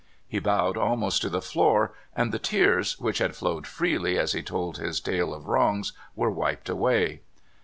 He bowed almost to the floor, and the tears, which had flowed freely as he told his tale of wrongs, w^ere wiped away.